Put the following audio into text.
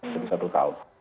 jadi satu tahun